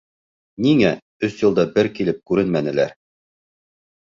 Ниңә өс йылда бер килеп күренмәнеләр?